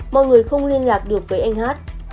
mọi người không liên lạc được với anh hát